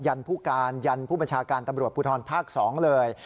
ผู้การยันผู้บัญชาการตำรวจภูทรภาค๒เลย